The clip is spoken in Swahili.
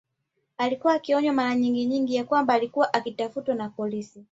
Alikuwa akionywa maranyingi ya kwamba alikuwa akifuatiliwa na polisi